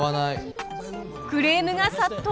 クレームが殺到！